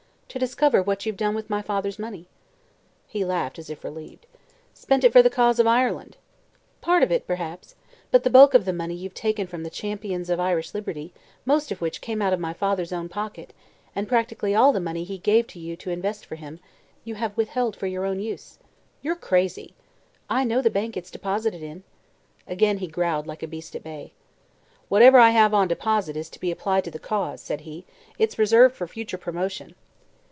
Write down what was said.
"To discover what you've done with my father's money." He laughed, as if relieved. "Spent it for the cause of Ireland." "Part of it, perhaps. But the bulk of the money you've taken from the Champions of Irish Liberty, most of which came out of my father's own pocket, and practically all the money he gave you to invest for him, you have withheld for your own use." "You're crazy!" "I know the bank it's deposited in." Again he growled, like a beast at bay. "Whatever I have on deposit is to be applied to the Cause," said he. "It's reserved for future promotion."